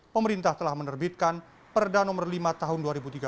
pemerintah telah menerbitkan perda nomor lima tahun dua ribu tiga belas